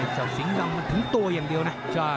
เจ้าสิงห์ดำมันถึงตัวอย่างเดียวนะ